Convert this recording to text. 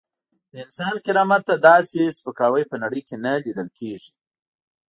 د انسان کرامت ته داسې سپکاوی په نړۍ کې نه لیدل کېږي.